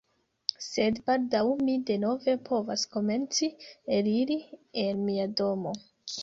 Sed baldaŭ mi denove povas komenci eliri el mia domo